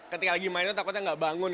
ketika lagi main takutnya tidak bangun